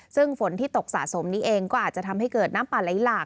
ซึ่งฝนที่ตกสะสมนี้เองก็อาจจะทำให้เกิดน้ำป่าไหลหลาก